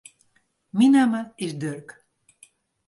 Myn namme is Durk.